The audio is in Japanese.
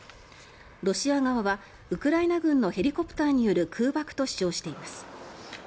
ロシア側はウクライナ軍のヘリコプターによる空爆と主張しています。